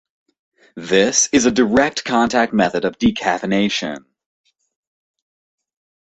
This is a direct-contact method of decaffeination.